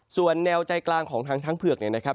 ส่วนแนวใจกลางของทางช้างเผือกเนี่ยนะครับ